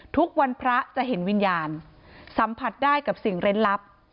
ทุกวันพระจะเห็นวิญญาณสัมผัสได้กับสิ่งเล่นลับ